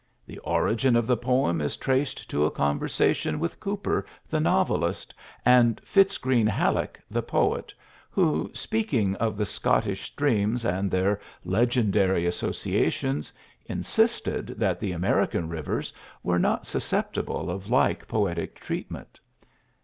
The origin of the poem is traced to a conversation with Cooper, the novelist, and Fitz Greene Halleck, the poet, who, speaking of the Scottish streams and their legendary associations, insisted that the American rivers were not susceptible of like poetic treatment.